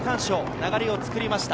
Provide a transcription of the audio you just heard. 流れを作りました。